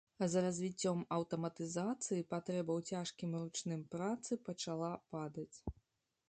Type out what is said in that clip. З развіццём аўтаматызацыі патрэба ў цяжкім ручным працы пачала падаць.